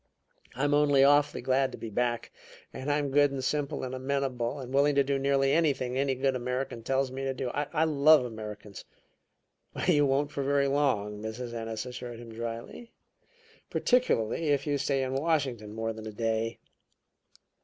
"I'm only awfully glad to be back; and I'm good and simple and amenable, and willing to do nearly anything any good American tells me to do. I love Americans." "You won't for very long," Mrs. Ennis assured him dryly. "Particularly if you stay in Washington more than a day."